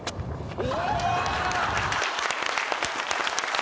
お！